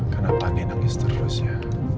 kenapa angin nangis terus ya